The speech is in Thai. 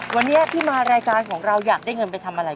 วันนี้ที่มารายการของเราอยากได้เงินไปทำอะไร